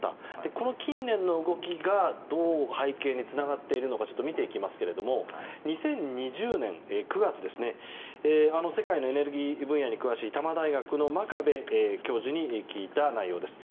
この近年の動きがどう背景につながっているのか見ていきますけども２０２０年９月世界のエネルギー分野に詳しい多摩大学の真壁教授に聞いた内容です。